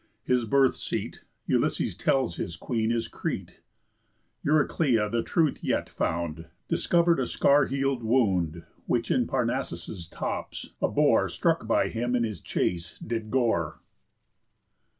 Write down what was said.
His birth's seat, Ulysses tells his Queen, is Crete, Euryclea the truth yet found, Discover'd by a scar heal'd wound, Which in Parnassus' tops a boar, Struck by him in his chace, did gore.